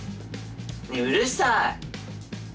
ねえうるさい。